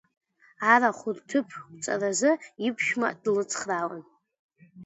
Арахә рҭыԥқәҵараз иԥшәма длыцхраауан.